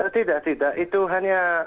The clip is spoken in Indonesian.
tidak itu hanya